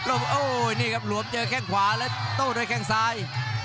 โอ้โหนี่ครับหลวมเจอแข้งขวาแล้วโต้ด้วยแข้งซ้าย